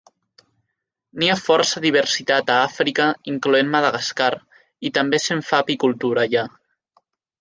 N'hi ha força diversitat a Àfrica incloent Madagascar, i també se'n fa apicultura allà.